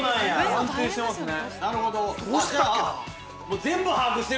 ◆安定していますね。